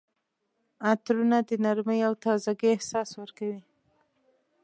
عطرونه د نرمۍ او تازګۍ احساس ورکوي.